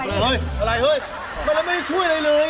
อะไรเฮ้ยไม่ได้ช่วยอะไรเลย